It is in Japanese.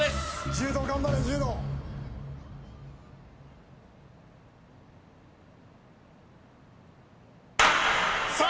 柔道頑張れ柔道さあ